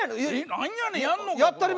何やねんやんのかコラ。